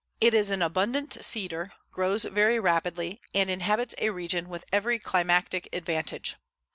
It is an abundant seeder, grows very rapidly, and inhabits a region with every climatic advantage.